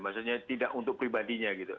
maksudnya tidak untuk pribadinya gitu